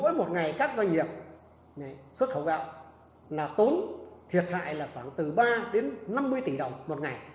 mỗi một ngày các doanh nghiệp xuất khẩu gạo là tốn thiệt hại là khoảng từ ba đến năm mươi tỷ đồng một ngày